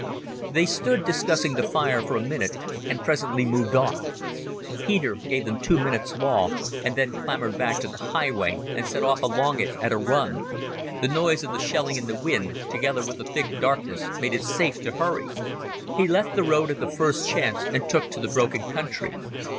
They stood discussing the fire for a minute and presently moved off. Peter gave them two minutes' law and then clambered back to the highway and set off along it at a run. The noise of the shelling and the wind, together with the thick darkness, made it safe to hurry. He left the road at the first chance and took to the broken country.